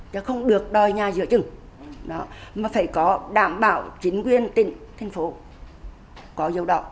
chứ không được đòi nhà dự trừng mà phải có đảm bảo chính quyền tỉnh thành phố